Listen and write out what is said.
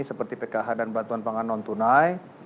seperti pkh dan bantuan pangan non tunai